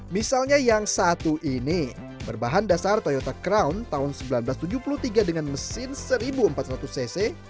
misalnya yang satu ini berbahan dasar toyota crown tahun seribu sembilan ratus tujuh puluh tiga dengan mesin seribu empat ratus cc